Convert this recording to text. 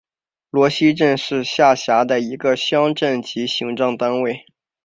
罗溪镇是下辖的一个乡镇级行政单位。